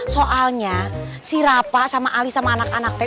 soalnya si rapa sama ali sama anak anak teh